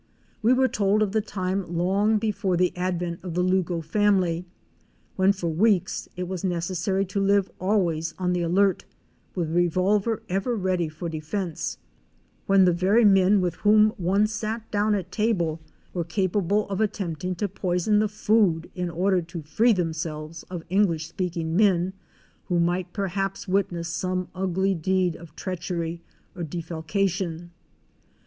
We were told of the time long before the advent of the Lugo family—when for weeks it was necessary to live always on the alert, with revolver ever ready for defence; when the very men with whom one sat down at table were capable of attempting to poison the food, in order to free themselves of English speaking men, who might perhaps witness some ugly deed of treachery or defalcation.